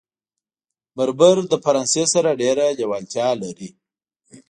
بربر له فرانسې سره ډېره لېوالتیا لري.